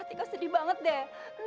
atika sedih banget deh